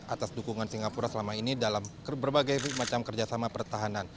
atas dukungan singapura selama ini dalam berbagai macam kerjasama pertahanan